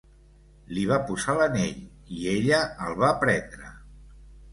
Li va posar l'anell, i ella el va prendre.